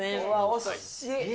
惜しい。